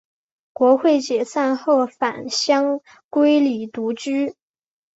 国会解散后返乡归里独居。